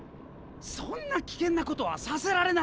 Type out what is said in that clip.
そんな危険なことはさせられない！